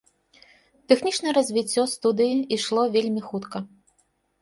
Тэхнічнае развіццё студыі ішло вельмі хутка.